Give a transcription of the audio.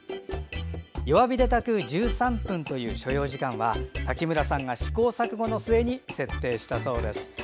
弱火で炊く１３分という所要時間は滝村さんが試行錯誤の末に設定したそうです。